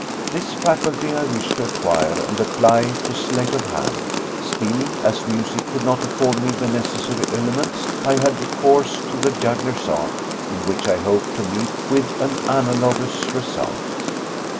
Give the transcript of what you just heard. This faculty I wished to acquire and apply to sleight of hand; still, as music could not afford me the necessary elements, I had recourse to the juggler's art, in which I hoped to meet with an analogous result.